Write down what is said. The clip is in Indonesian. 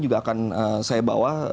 juga akan saya bawa